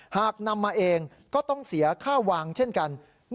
หากนำมาเองก็ต้องเสียค่าวางเช่นกัน